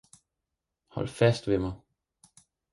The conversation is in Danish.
hold fast ved mig!